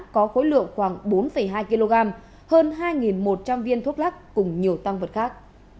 có khối lượng khoảng bốn hai kg hơn hai một trăm linh viên thuốc lắc cùng nhiều tăng vật khác